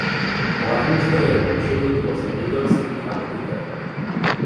Hlavním zdrojem obživy bylo zemědělství a dobytek.